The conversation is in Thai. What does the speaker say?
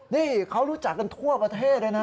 นี่เขารู้จักกันทั่วประเทศเลยนะ